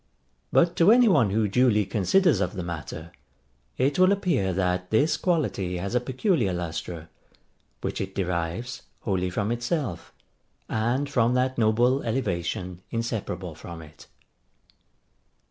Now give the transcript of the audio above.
But to any one who duly considers of the matter, it will appear that this quality has a peculiar lustre, which it derives wholly from itself, and from that noble elevation inseparable from it.